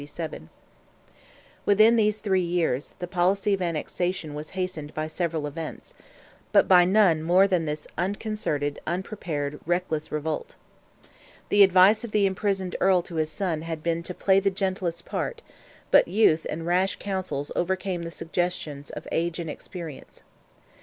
Within these three years, the policy of annexation was hastened by several events—but by none more than this unconcerted, unprepared, reckless revolt. The advice of the imprisoned Earl to his son had been "to play the gentlest part," but youth and rash counsels overcame the suggestions of age and experience.